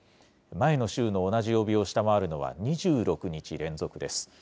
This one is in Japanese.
前の週の同じ曜日を下回るのは、２６日連続です。